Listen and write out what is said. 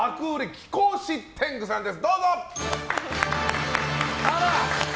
貴公子天狗さんです。